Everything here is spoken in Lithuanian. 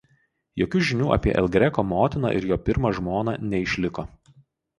Jokių žinių apie El Greco motiną ir jo pirmą žmoną neišliko.